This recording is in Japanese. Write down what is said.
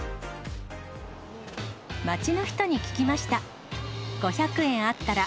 街の人に聞きました。